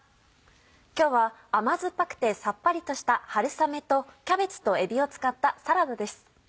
今日は甘酸っぱくてサッパリとした春雨とキャベツとえびを使ったサラダです。